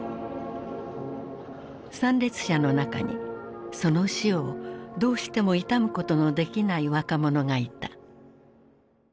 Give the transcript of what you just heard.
参列者の中にその死をどうしても悼むことのできない若者がいた。